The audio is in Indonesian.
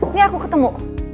ini aku ketemu